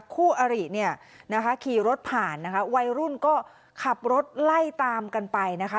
คู่อาริขี่รถผ่านวัยรุ่นก็ขับรถไล่ตามกันไปนะคะ